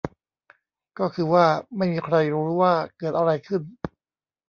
ก็คือว่า ไม่มีใครรู้ว่าเกิดอะไรขึ้น